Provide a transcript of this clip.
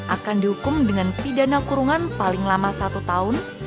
akan dihukum dengan pidana kurungan paling lama satu tahun